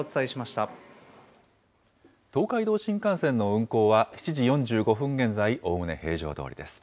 東海道新幹線の運行は、７時４５分現在、おおむね平常どおりです。